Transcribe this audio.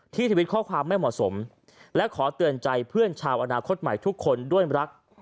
ทวิตข้อความไม่เหมาะสมและขอเตือนใจเพื่อนชาวอนาคตใหม่ทุกคนด้วยรัก